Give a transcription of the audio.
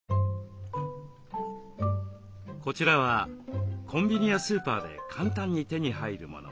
こちらはコンビニやスーパーで簡単に手に入るもの。